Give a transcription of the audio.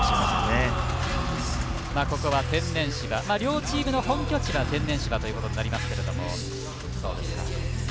ここは天然芝両チームの本拠地が天然芝になります。